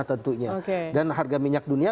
tentunya dan harga minyak dunia